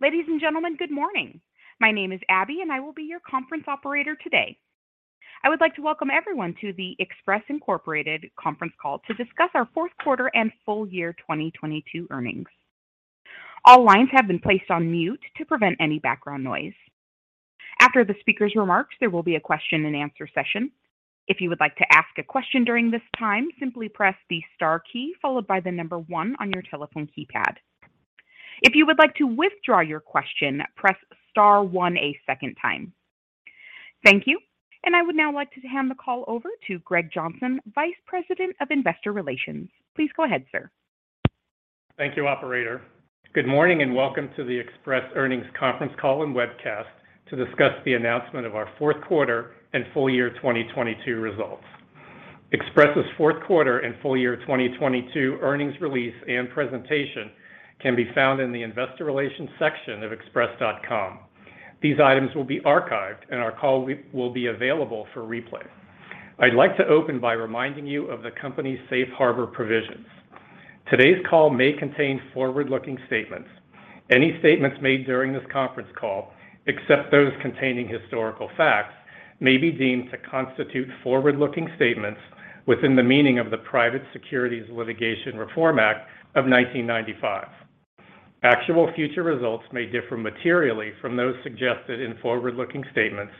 Ladies and gentlemen, good morning. My name is Abby, I will be your conference operator today. I would like to welcome everyone to the Express, Inc. conference call to discuss our fourth quarter and full year 2022 earnings. All lines have been placed on mute to prevent any background noise. After the speaker's remarks, there will be a question-and-answer session. If you would like to ask a question during this time, simply press the star key followed by 1 on your telephone keypad. If you would like to withdraw your question, press star 1 a second time. Thank you. I would now like to hand the call over to Greg Johnson, Vice President of Investor Relations. Please go ahead, sir. Thank you, operator. Welcome to the Express earnings conference call and webcast to discuss the announcement of our fourth quarter and full year 2022 results. Express's fourth quarter and full year 2022 earnings release and presentation can be found in the investor relations section of express.com. These items will be archived our call will be available for replay. I'd like to open by reminding you of the company's safe harbor provisions. Today's call may contain forward-looking statements. Any statements made during this conference call, except those containing historical facts, may be deemed to constitute forward-looking statements within the meaning of the Private Securities Litigation Reform Act of 1995. Actual future results may differ materially from those suggested in forward-looking statements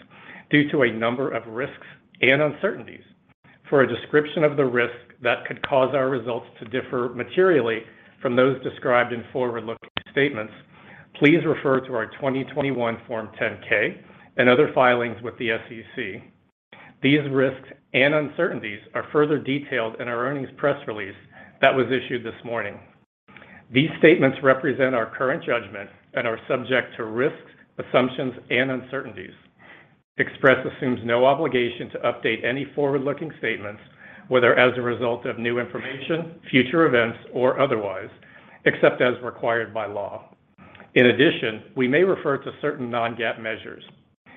due to a number of risks and uncertainties. For a description of the risk that could cause our results to differ materially from those described in forward-looking statements, please refer to our 2021 Form 10-K and other filings with the SEC. These risks and uncertainties are further detailed in our earnings press release that was issued this morning. These statements represent our current judgment and are subject to risks, assumptions, and uncertainties. Express assumes no obligation to update any forward-looking statements, whether as a result of new information, future events, or otherwise, except as required by law. We may refer to certain non-GAAP measures.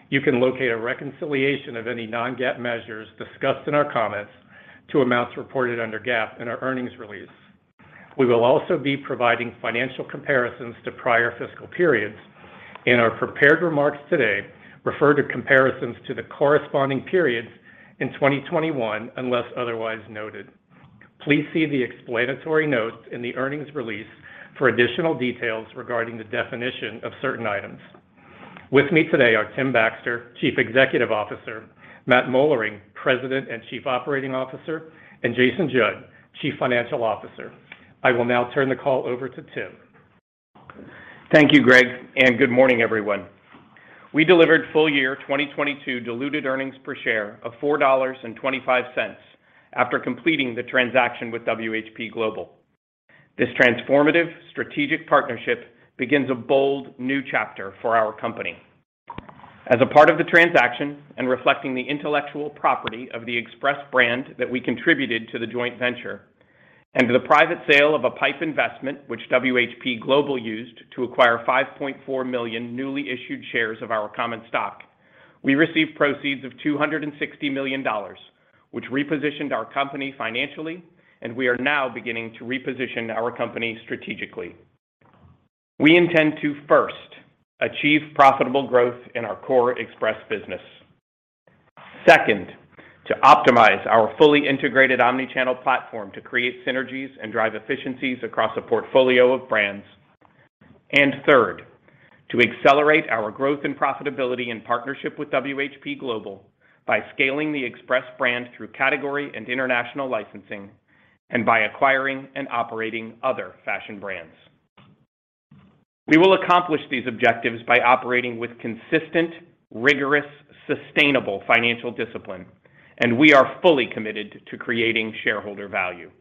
You can locate a reconciliation of any non-GAAP measures discussed in our comments to amounts reported under GAAP in our earnings release. We will also be providing financial comparisons to prior fiscal periods, and our prepared remarks today refer to comparisons to the corresponding periods in 2021 unless otherwise noted. Please see the explanatory notes in the earnings release for additional details regarding the definition of certain items. With me today are Tim Baxter, Chief Executive Officer, Matt Moellering, President and Chief Operating Officer, and Jason Judd, Chief Financial Officer. I will now turn the call over to Tim. Thank you, Greg. Good morning, everyone. We delivered full year 2022 diluted earnings per share of $4.25 after completing the transaction with WHP Global. This transformative strategic partnership begins a bold new chapter for our company. As a part of the transaction and reflecting the intellectual property of the Express brand that we contributed to the joint venture and to the private sale of a PIPE investment, which WHP Global used to acquire 5.4 million newly issued shares of our common stock, we received proceeds of $260 million, which repositioned our company financially, and we are now beginning to reposition our company strategically. We intend to, first, achieve profitable growth in our core Express business. Second, to optimize our fully integrated omni-channel platform to create synergies and drive efficiencies across a portfolio of brands. Third, to accelerate our growth and profitability in partnership with WHP Global by scaling the Express brand through category and international licensing and by acquiring and operating other fashion brands. We will accomplish these objectives by operating with consistent, rigorous, sustainable financial discipline, and we are fully committed to creating shareholder value.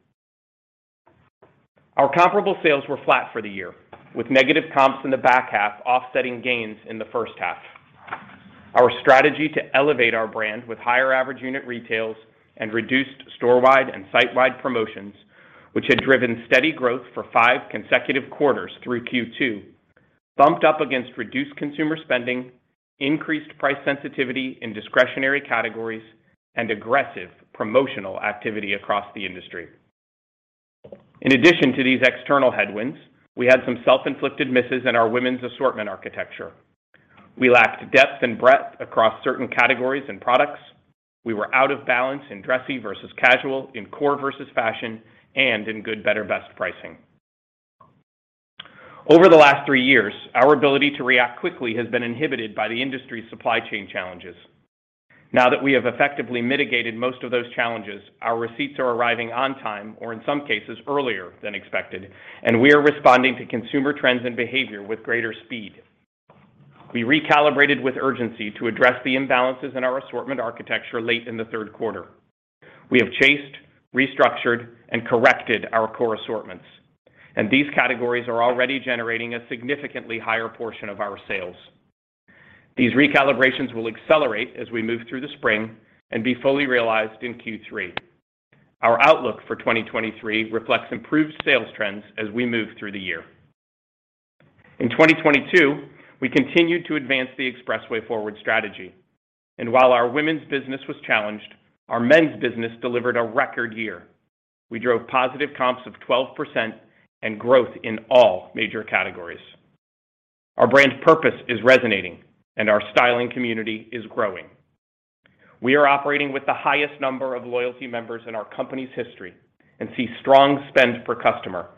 Our comparable sales were flat for the year, with negative comps in the back half offsetting gains in the first half. Our strategy to elevate our brand with higher average unit retails and reduced storewide and sitewide promotions, which had driven steady growth for five consecutive quarters through Q2, bumped up against reduced consumer spending, increased price sensitivity in discretionary categories, and aggressive promotional activity across the industry. In addition to these external headwinds, we had some self-inflicted misses in our women's assortment architecture. We lacked depth and breadth across certain categories and products. We were out of balance in dressy versus casual, in core versus fashion, and in good, better, best pricing. Over the last three years, our ability to react quickly has been inhibited by the industry's supply chain challenges. Now that we have effectively mitigated most of those challenges, our receipts are arriving on time, or in some cases earlier than expected, and we are responding to consumer trends and behavior with greater speed. We recalibrated with urgency to address the imbalances in our assortment architecture late in the third quarter. We have chased, restructured, and corrected our core assortments, and these categories are already generating a significantly higher portion of our sales. These recalibrations will accelerate as we move through the spring and be fully realized in Q3. Our outlook for 2023 reflects improved sales trends as we move through the year. In 2022, we continued to advance the EXPRESSway Forward strategy, while our women's business was challenged, our men's business delivered a record year. We drove positive comps of 12% and growth in all major categories. Our brand purpose is resonating and our styling community is growing. We are operating with the highest number of loyalty members in our company's history and see strong spend per customer,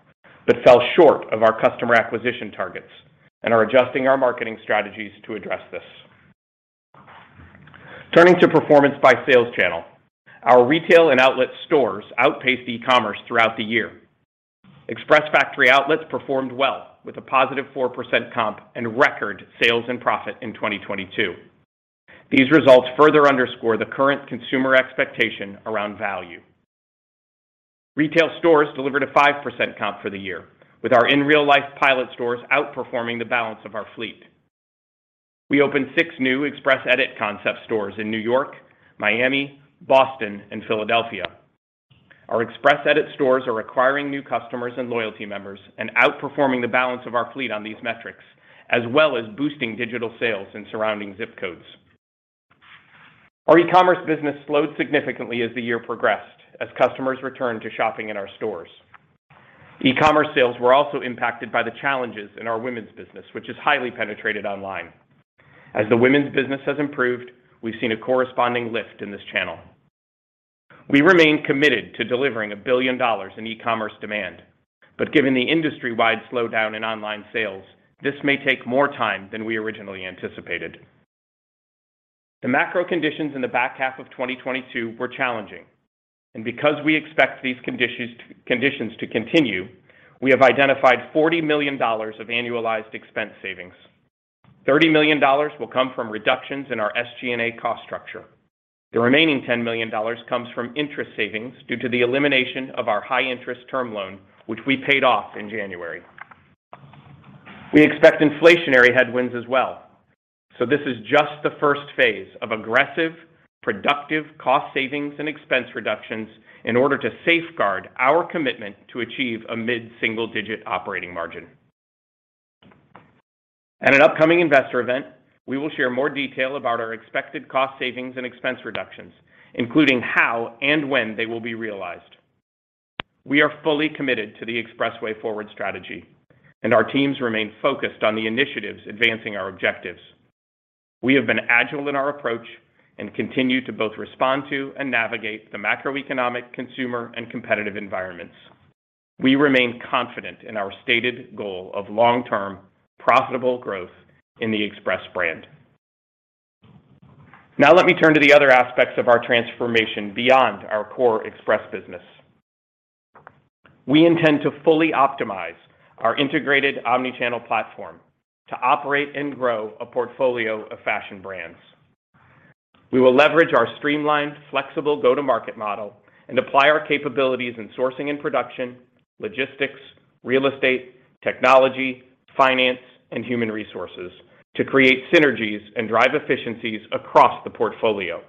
but fell short of our customer acquisition targets and are adjusting our marketing strategies to address this. Turning to performance by sales channel. Our retail and outlet stores outpaced e-commerce throughout the year. Express Factory Outlets performed well with a positive 4% comp and record sales and profit in 2022. These results further underscore the current consumer expectation around value. Retail stores delivered a 5% comp for the year, with our in real life pilot stores outperforming the balance of our fleet. We opened 6 new Express Edit concept stores in New York, Miami, Boston, and Philadelphia. Our Express Edit stores are acquiring new customers and loyalty members and outperforming the balance of our fleet on these metrics, as well as boosting digital sales in surrounding zip codes. Our e-commerce business slowed significantly as the year progressed as customers returned to shopping in our stores. E-commerce sales were also impacted by the challenges in our women's business, which is highly penetrated online. As the women's business has improved, we've seen a corresponding lift in this channel. We remain committed to delivering $1 billion in e-commerce demand, but given the industry-wide slowdown in online sales, this may take more time than we originally anticipated. The macro conditions in the back half of 2022 were challenging. Because we expect these conditions to continue, we have identified $40 million of annualized expense savings. $30 million will come from reductions in our SG&A cost structure. The remaining $10 million comes from interest savings due to the elimination of our high-interest term loan, which we paid off in January. We expect inflationary headwinds as well. This is just the first phase of aggressive, productive cost savings and expense reductions in order to safeguard our commitment to achieve a mid-single-digit operating margin. At an upcoming investor event, we will share more detail about our expected cost savings and expense reductions, including how and when they will be realized. We are fully committed to the EXPRESSway Forward strategy. Our teams remain focused on the initiatives advancing our objectives. We have been agile in our approach and continue to both respond to and navigate the macroeconomic, consumer, and competitive environments. We remain confident in our stated goal of long-term profitable growth in the Express brand. Let me turn to the other aspects of our transformation beyond our core Express business. We intend to fully optimize our integrated omni-channel platform to operate and grow a portfolio of fashion brands. We will leverage our streamlined, flexible go-to-market model and apply our capabilities in sourcing and production, logistics, real estate, technology, finance, and human resources to create synergies and drive efficiencies across the portfolio.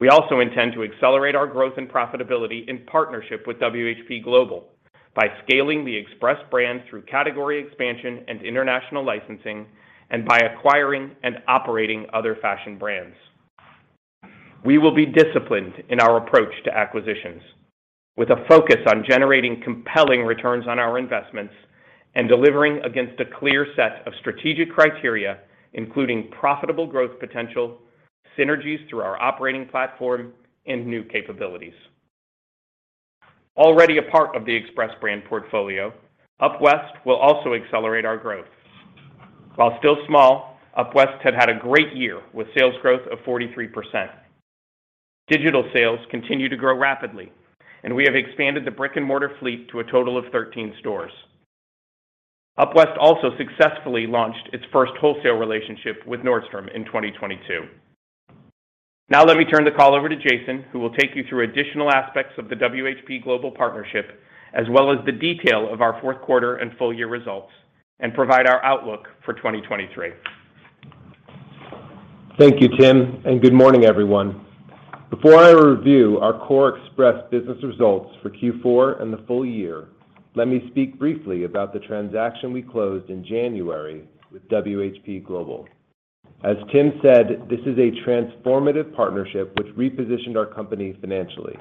We also intend to accelerate our growth and profitability in partnership with WHP Global by scaling the Express brand through category expansion and international licensing and by acquiring and operating other fashion brands. We will be disciplined in our approach to acquisitions with a focus on generating compelling returns on our investments and delivering against a clear set of strategic criteria, including profitable growth potential, synergies through our operating platform, and new capabilities. Already a part of the Express brand portfolio, UpWest will also accelerate our growth. While still small, UpWest had a great year with sales growth of 43%. Digital sales continue to grow rapidly, and we have expanded the brick-and-mortar fleet to a total of 13 stores. UpWest also successfully launched its first wholesale relationship with Nordstrom in 2022. Let me turn the call over to Jason, who will take you through additional aspects of the WHP Global partnership, as well as the detail of our fourth quarter and full year results, and provide our outlook for 2023. Thank you, Tim. Good morning, everyone. Before I review our core Express business results for Q4 and the full year, let me speak briefly about the transaction we closed in January with WHP Global. As Tim said, this is a transformative partnership which repositioned our company financially.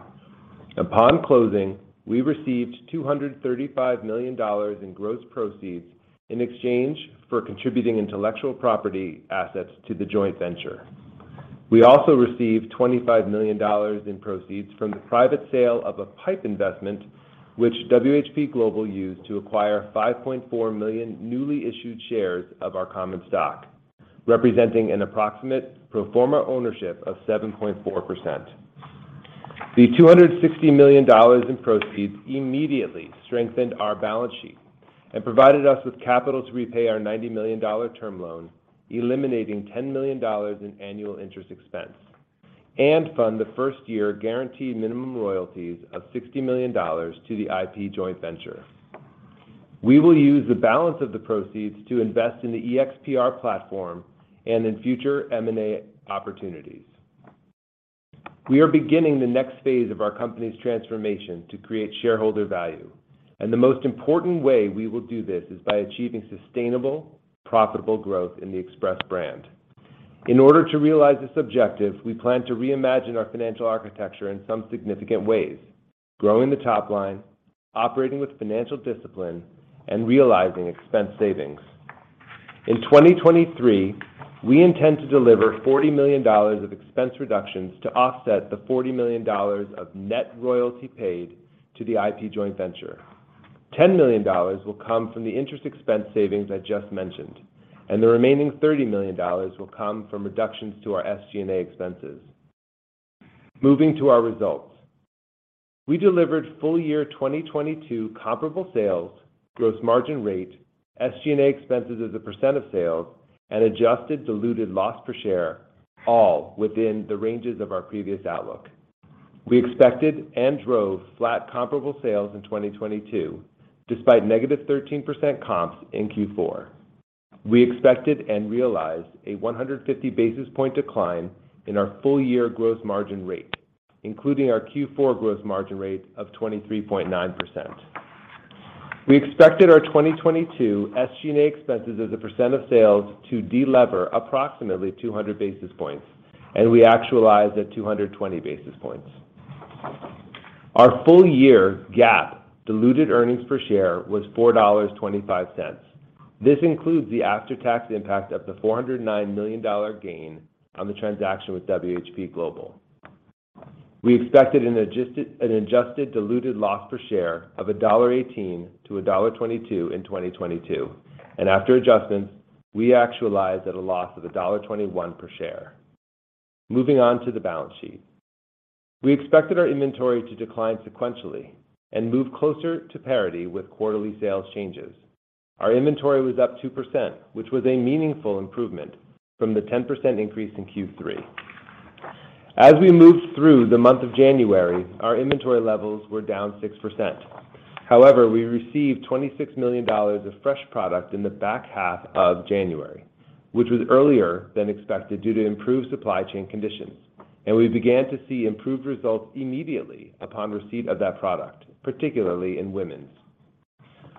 Upon closing, we received $235 million in gross proceeds in exchange for contributing intellectual property assets to the joint venture. We also received $25 million in proceeds from the private sale of a PIPE investment, which WHP Global used to acquire 5.4 million newly issued shares of our common stock, representing an approximate pro forma ownership of 7.4%. The $260 million in proceeds immediately strengthened our balance sheet and provided us with capital to repay our $90 million term loan, eliminating $10 million in annual interest expense and fund the first year guaranteed minimum royalties of $60 million to the IP joint venture. We will use the balance of the proceeds to invest in the EXPR platform and in future M&A opportunities. We are beginning the next phase of our company's transformation to create shareholder value, and the most important way we will do this is by achieving sustainable, profitable growth in the Express brand. In order to realize this objective, we plan to reimagine our financial architecture in some significant ways, growing the top line, operating with financial discipline, and realizing expense savings. In 2023, we intend to deliver $40 million of expense reductions to offset the $40 million of net royalty paid to the IP joint venture. $10 million will come from the interest expense savings I just mentioned. The remaining $30 million will come from reductions to our SG&A expenses. Moving to our results. We delivered full year 2022 comparable sales, gross margin rate, SG&A expenses as a % of sales, and adjusted diluted loss per share all within the ranges of our previous outlook. We expected and drove flat comparable sales in 2022 despite negative 13% comps in Q4. We expected and realized a 150 basis point decline in our full year gross margin rate, including our Q4 gross margin rate of 23.9%. We expected our 2022 SG&A expenses as a % of sales to delever approximately 200 basis points, and we actualized at 220 basis points. Our full year GAAP diluted earnings per share was $4.25. This includes the after-tax impact of the $409 million gain on the transaction with WHP Global. We expected an adjusted diluted loss per share of $1.18-$1.22 in 2022, and after adjustments, we actualized at a loss of $1.21 per share. Moving on to the balance sheet. We expected our inventory to decline sequentially and move closer to parity with quarterly sales changes. Our inventory was up 2%, which was a meaningful improvement from the 10% increase in Q3. As we moved through the month of January, our inventory levels were down 6%. However, we received $26 million of fresh product in the back half of January, which was earlier than expected due to improved supply chain conditions. We began to see improved results immediately upon receipt of that product, particularly in women's.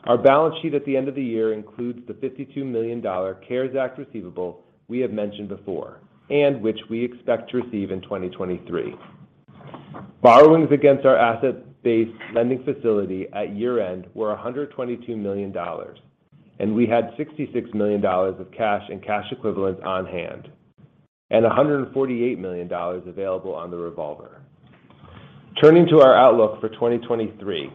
Our balance sheet at the end of the year includes the $52 million CARES Act receivable we have mentioned before, and which we expect to receive in 2023. Borrowings against our asset-based lending facility at year-end were $122 million, and we had $66 million of cash and cash equivalents on hand, and $148 million available on the revolver. Turning to our outlook for 2023.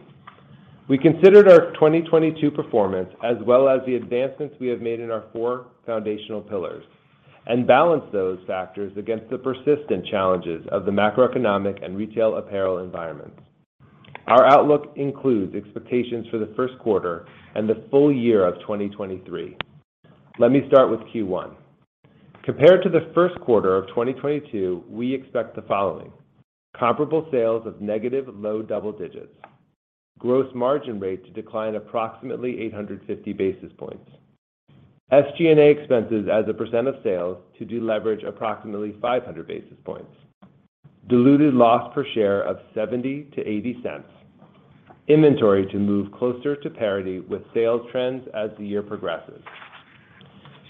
We considered our 2022 performance, as well as the advancements we have made in our four foundational pillars, and balanced those factors against the persistent challenges of the macroeconomic and retail apparel environments. Our outlook includes expectations for the first quarter and the full year of 2023. Let me start with Q1. Compared to the first quarter of 2022, we expect the following: comparable sales of negative low double digits, gross margin rate to decline approximately 850 basis points, SG&A expenses as a % of sales to deleverage approximately 500 basis points, diluted loss per share of $0.70-$0.80, inventory to move closer to parity with sales trends as the year progresses.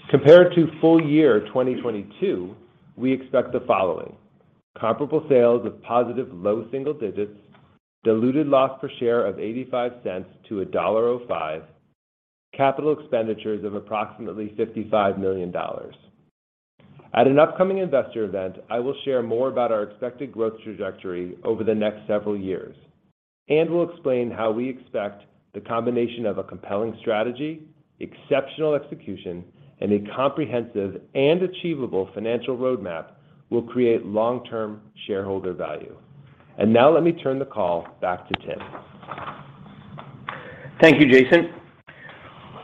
Compared to full year 2022, we expect the following: comparable sales of positive low single digits, diluted loss per share of $0.85-$1.05, capital expenditures of approximately $55 million. At an upcoming investor event, I will share more about our expected growth trajectory over the next several years, and will explain how we expect the combination of a compelling strategy, exceptional execution, and a comprehensive and achievable financial roadmap will create long-term shareholder value. Now let me turn the call back to Tim. Thank you, Jason.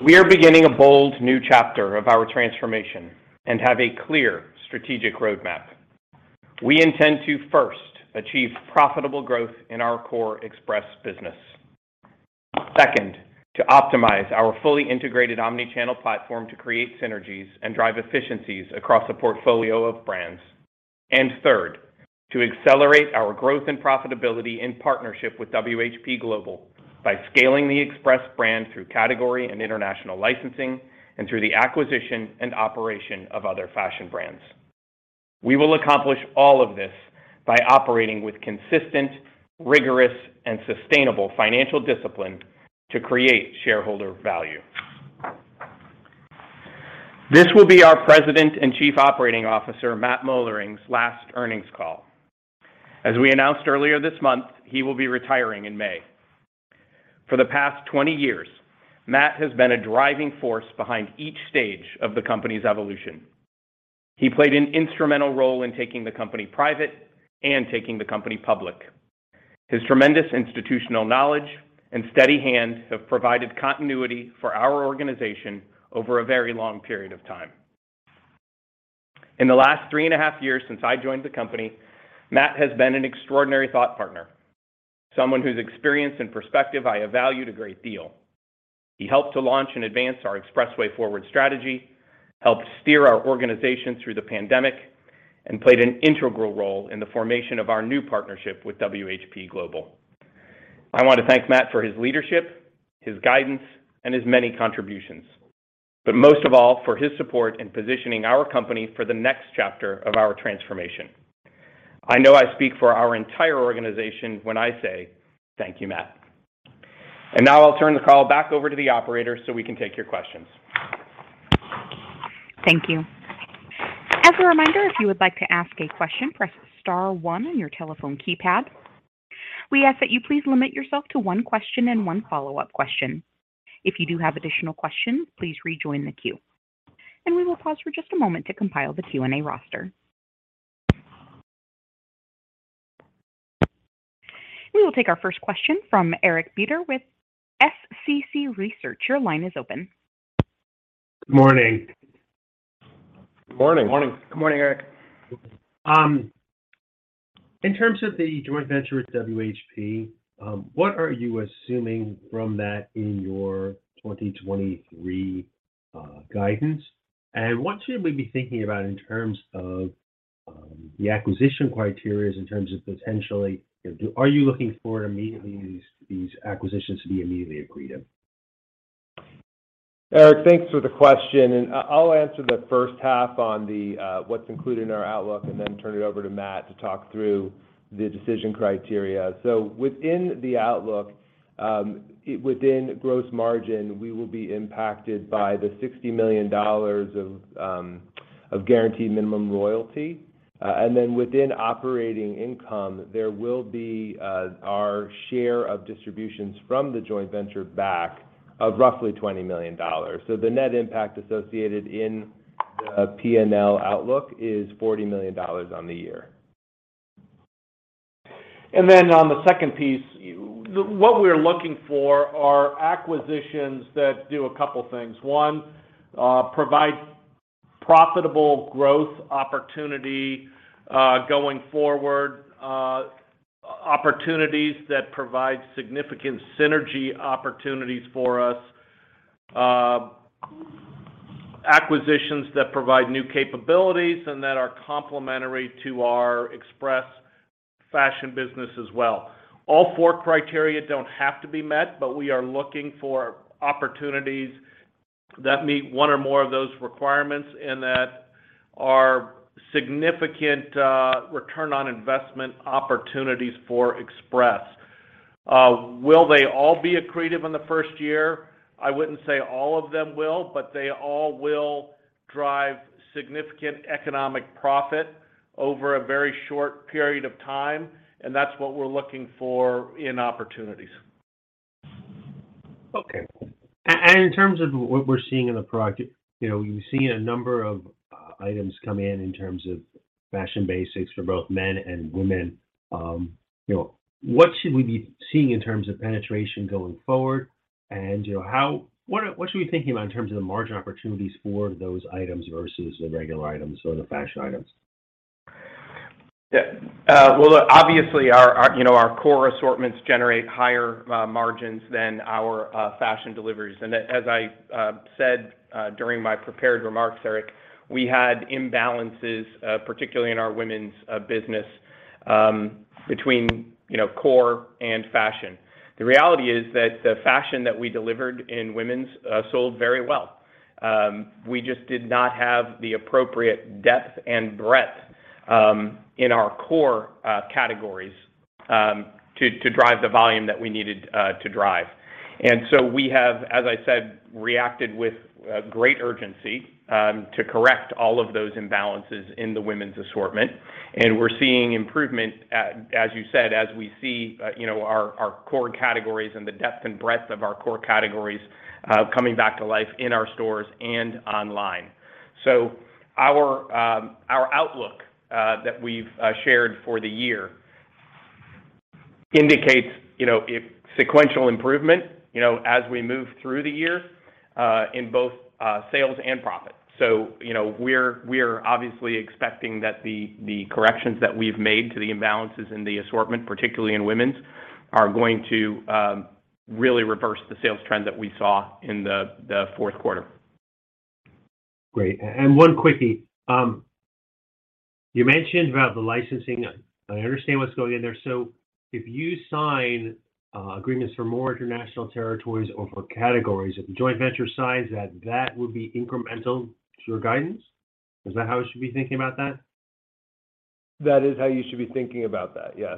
We are beginning a bold new chapter of our transformation and have a clear strategic roadmap. We intend to first achieve profitable growth in our core Express business. Second, to optimize our fully integrated omni-channel platform to create synergies and drive efficiencies across a portfolio of brands. Third, to accelerate our growth and profitability in partnership with WHP Global by scaling the Express brand through category and international licensing and through the acquisition and operation of other fashion brands. We will accomplish all of this by operating with consistent, rigorous, and sustainable financial discipline to create shareholder value. This will be our President and Chief Operating Officer, Matt Moellering's last earnings call. As we announced earlier this month, he will be retiring in May. For the past 20 years, Matt has been a driving force behind each stage of the company's evolution. He played an instrumental role in taking the company private and taking the company public. His tremendous institutional knowledge and steady hands have provided continuity for our organization over a very long period of time. In the last three and a half years since I joined the company, Matt has been an extraordinary thought partner, someone whose experience and perspective I have valued a great deal. He helped to launch and advance our EXPRESSway Forward strategy, helped steer our organization through the pandemic, and played an integral role in the formation of our new partnership with WHP Global. I want to thank Matt for his leadership, his guidance, and his many contributions, but most of all, for his support in positioning our company for the next chapter of our transformation. I know I speak for our entire organization when I say thank you, Matt. Now I'll turn the call back over to the operator so we can take your questions. Thank you. As a reminder, if you would like to ask a question, press star one on your telephone keypad. We ask that you please limit yourself to one question and one follow-up question. If you do have additional questions, please rejoin the queue. We will pause for just a moment to compile the Q&A roster. We will take our first question from Eric Beder with SCC Research. Your line is open. Good morning. Morning. Morning. Good morning, Eric. In terms of the joint venture with WHP, what are you assuming from that in your 2023 guidance? What should we be thinking about in terms of the acquisition criteria in terms of potentially. Are you looking for immediately these acquisitions to be immediately accretive? Eric, thanks for the question. I'll answer the first half on the what's included in our outlook and then turn it over to Matt to talk through the decision criteria. Within the outlook, within gross margin, we will be impacted by the $60 million of guaranteed minimum royalty. Within operating income, there will be our share of distributions from the joint venture back of roughly $20 million. The net impact associated in the P&L outlook is $40 million on the year. On the second piece, what we're looking for are acquisitions that do a couple of things. One, provide profitable growth opportunity, going forward, opportunities that provide significant synergy opportunities for us, acquisitions that provide new capabilities and that are complementary to our Express fashion business as well. All four criteria don't have to be met. We are looking for opportunities that meet one or more of those requirements and that are significant return on investment opportunities for Express. Will they all be accretive in the first year? I wouldn't say all of them will, but they all will drive significant economic profit over a very short period of time, and that's what we're looking for in opportunities. Okay. In terms of what we're seeing in the product, you know, we've seen a number of items come in in terms of fashion basics for both men and women. You know, what should we be seeing in terms of penetration going forward? What are what should we be thinking about in terms of the margin opportunities for those items versus the regular items or the fashion items? Well, obviously our, you know, our core assortments generate higher margins than our fashion deliveries. As I said, during my prepared remarks, Eric, we had imbalances, particularly in our women's business, between, you know, core and fashion. The reality is that the fashion that we delivered in women's sold very well. We just did not have the appropriate depth and breadth in our core categories to drive the volume that we needed to drive. We have, as I said, reacted with great urgency to correct all of those imbalances in the women's assortment. We're seeing improvement, as you said, as we see, you know, our core categories and the depth and breadth of our core categories, coming back to life in our stores and online. Our outlook that we've shared for the year indicates, you know, a sequential improvement, you know, as we move through the year, in both sales and profit. You know, we're obviously expecting that the corrections that we've made to the imbalances in the assortment, particularly in women's, are going to really reverse the sales trend that we saw in the fourth quarter. Great. One quickie. You mentioned about the licensing. I understand what's going in there. If you sign agreements for more international territories or for categories, if the joint venture signs that would be incremental to your guidance. Is that how we should be thinking about that? That is how you should be thinking about that, yes.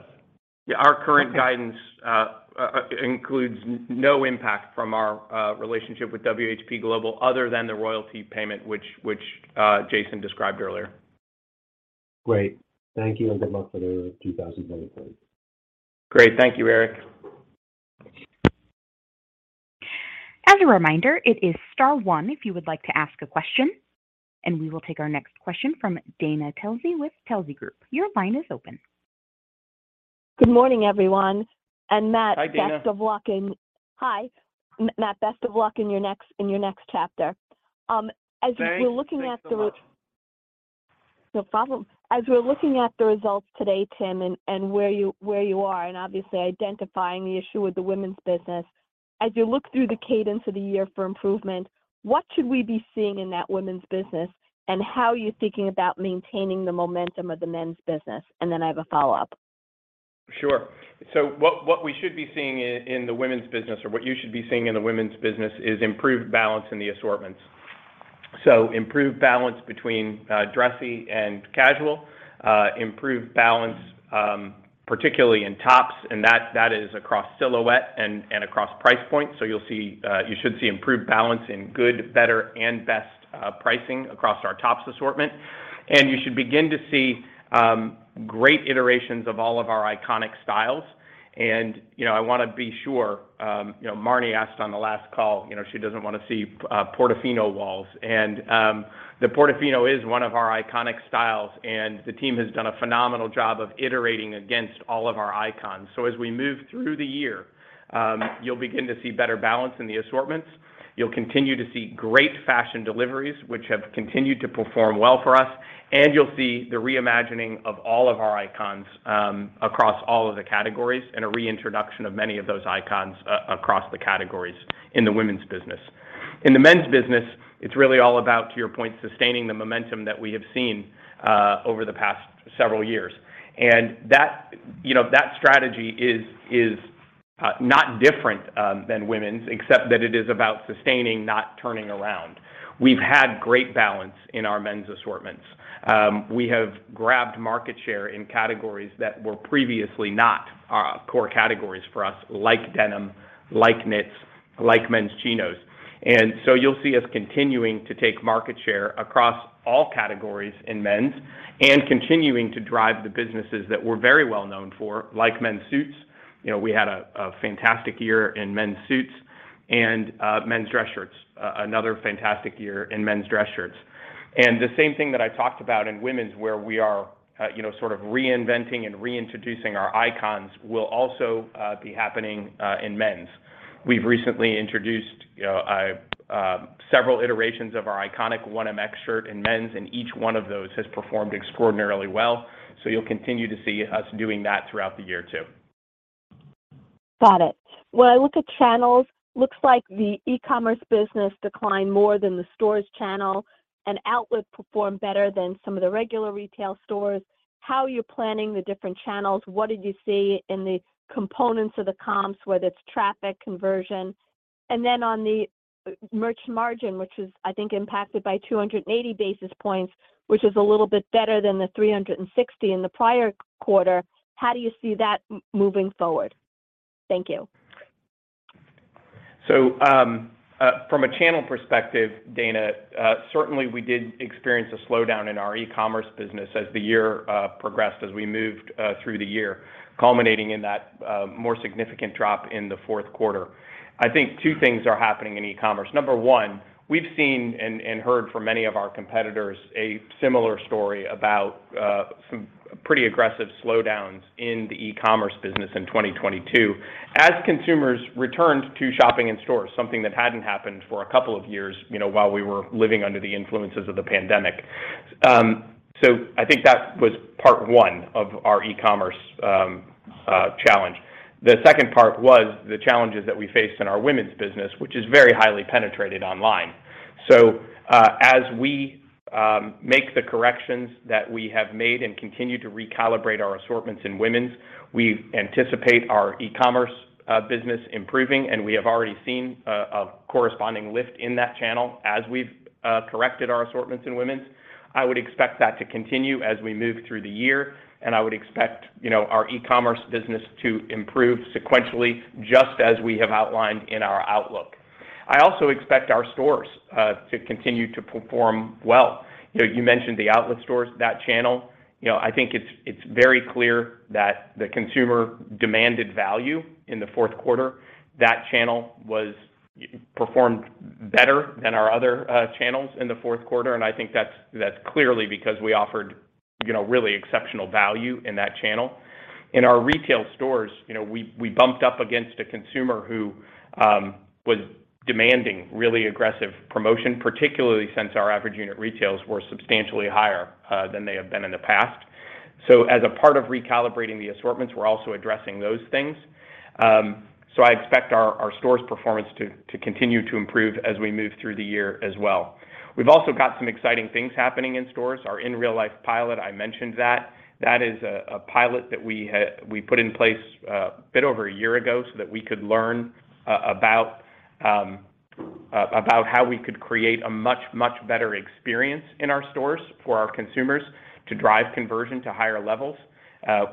Yeah. Our current guidance includes no impact from our relationship with WHP Global other than the royalty payment, which Jason described earlier. Great. Thank you. good luck for the 2024. Great. Thank you, Eric. As a reminder, it is star 1 if you would like to ask a question. We will take our next question from Dana Telsey with Telsey Group. Your line is open. Good morning, everyone. Matt- Hi, Dana. Best of luck in... Hi. Matt, best of luck in your next chapter. as we're looking at the- Thanks. Thanks so much. No problem. As we're looking at the results today, Tim, and where you are, and obviously identifying the issue with the women's business. As you look through the cadence of the year for improvement, what should we be seeing in that women's business, and how are you thinking about maintaining the momentum of the men's business? I have a follow-up. Sure. What we should be seeing in the women's business or what you should be seeing in the women's business is improved balance in the assortments. Improved balance between dressy and casual, improved balance particularly in tops, and that is across silhouette and across price points. You'll see, you should see improved balance in good, better, and best pricing across our tops assortment. You should begin to see great iterations of all of our iconic styles. You know, I wanna be sure, you know, Marnie asked on the last call, you know, she doesn't wanna see Portofino walls. The Portofino is one of our iconic styles, and the team has done a phenomenal job of iterating against all of our icons. As we move through the year, you'll begin to see better balance in the assortments. You'll continue to see great fashion deliveries, which have continued to perform well for us. You'll see the reimagining of all of our icons across all of the categories and a reintroduction of many of those icons across the categories in the women's business. In the men's business, it's really all about, to your point, sustaining the momentum that we have seen over the past several years. That, you know, that strategy is not different than women's except that it is about sustaining, not turning around. We've had great balance in our men's assortments. We have grabbed market share in categories that were previously not our core categories for us, like denim, like knits, like men's chinos. You'll see us continuing to take market share across all categories in men's and continuing to drive the businesses that we're very well known for, like men's suits. You know, we had a fantastic year in men's suits and men's dress shirts, another fantastic year in men's dress shirts. The same thing that I talked about in women's, where we are, you know, sort of reinventing and reintroducing our icons will also be happening in men's. We've recently introduced several iterations of our iconic 1MX shirt in men's, and each one of those has performed extraordinarily well. You'll continue to see us doing that throughout the year too. Got it. When I look at channels, looks like the e-commerce business declined more than the stores channel and outlet performed better than some of the regular retail stores. How are you planning the different channels? What did you see in the components of the comps, whether it's traffic conversion? On the merch margin, which is I think impacted by 280 basis points, which is a little bit better than the 360 in the prior quarter, how do you see that moving forward? Thank you. From a channel perspective, Dana, certainly we did experience a slowdown in our e-commerce business as the year progressed, as we moved through the year, culminating in that more significant drop in the fourth quarter. I think two things are happening in e-commerce. Number 1, we've seen and heard from many of our competitors a similar story about some pretty aggressive slowdowns in the e-commerce business in 2022 as consumers returned to shopping in stores, something that hadn't happened for a couple of years, you know, while we were living under the influences of the pandemic. I think that was part 1 of our e-commerce challenge. The second part was the challenges that we faced in our women's business, which is very highly penetrated online. As we make the corrections that we have made and continue to recalibrate our assortments in women's, we anticipate our e-commerce business improving, and we have already seen a corresponding lift in that channel as we've corrected our assortments in women's. I would expect that to continue as we move through the year, and I would expect, you know, our e-commerce business to improve sequentially just as we have outlined in our outlook. I also expect our stores to continue to perform well. You know, you mentioned the outlet stores. That channel, you know, I think it's very clear that the consumer demanded value in the fourth quarter. That channel performed better than our other channels in the fourth quarter, and I think that's clearly because we offered, you know, really exceptional value in that channel. In our retail stores, you know, we bumped up against a consumer who was demanding really aggressive promotion, particularly since our average unit retails were substantially higher than they have been in the past. As a part of recalibrating the assortments, we're also addressing those things. I expect our stores' performance to continue to improve as we move through the year as well. We've also got some exciting things happening in stores. Our in real life pilot, I mentioned that. That is a pilot that we put in place a bit over 1 year ago so that we could learn about how we could create a much better experience in our stores for our consumers to drive conversion to higher levels.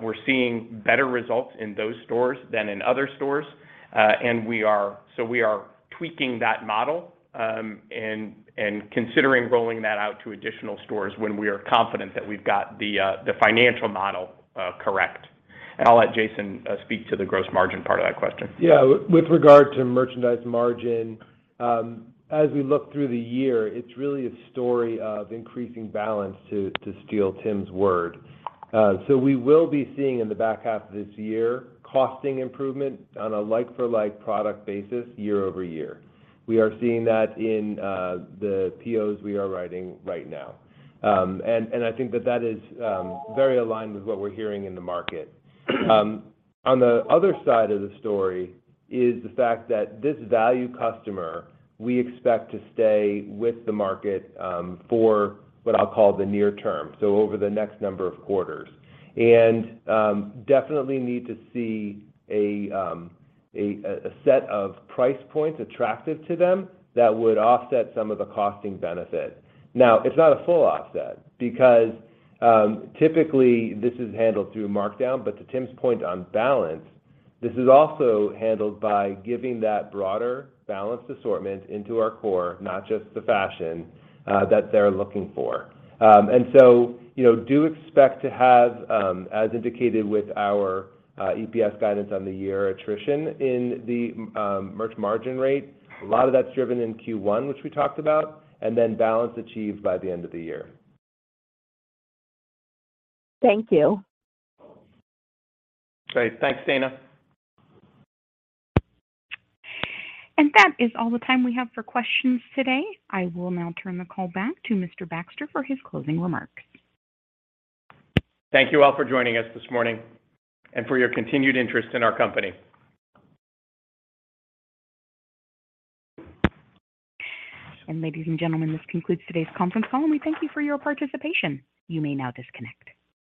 We're seeing better results in those stores than in other stores, we are tweaking that model, and considering rolling that out to additional stores when we are confident that we've got the financial model, correct. I'll let Jason speak to the gross margin part of that question. With regard to merchandise margin, as we look through the year, it's really a story of increasing balance, to steal Tim's word. So we will be seeing in the back half of this year costing improvement on a like-for-like product basis year-over-year. We are seeing that in the POs we are writing right now. And I think that that is very aligned with what we're hearing in the market. On the other side of the story is the fact that this value customer, we expect to stay with the market for what I'll call the near term, so over the next number of quarters. Definitely need to see a set of price points attractive to them that would offset some of the costing benefit. It's not a full offset because, typically this is handled through markdown. To Tim's point on balance, this is also handled by giving that broader balanced assortment into our core, not just the fashion, that they're looking for. You know, do expect to have, as indicated with our EPS guidance on the year attrition in the merch margin rate. A lot of that's driven in Q1, which we talked about, and then balance achieved by the end of the year. Thank you. Great. Thanks, Dana. That is all the time we have for questions today. I will now turn the call back to Mr. Baxter for his closing remarks. Thank you all for joining us this morning, and for your continued interest in our company. Ladies and gentlemen, this concludes today's conference call, and we thank you for your participation. You may now disconnect.